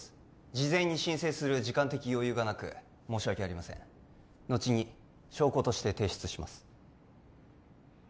事前に申請する時間的余裕がなく申し訳ありませんのちに証拠として提出します